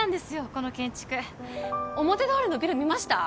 この建築表通りのビル見ました？